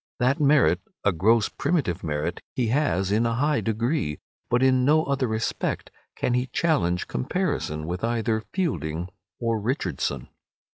That merit, a gross primitive merit, he has in a high degree, but in no other respect can he challenge comparison with either Fielding or Richardson.